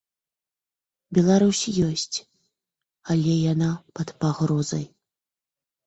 Беларусь ёсць, але яна пад пагрозай.